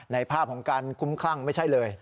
ภาพของการคุ้มคลั่งไม่ใช่เลย